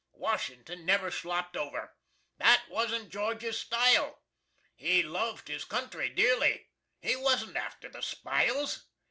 Washington never slopt over. That wasn't George's stile. He luved his country dearly. He wasn't after the spiles.